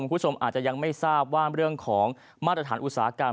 คุณผู้ชมอาจจะยังไม่ทราบว่าเรื่องของมาตรฐานอุตสาหกรรม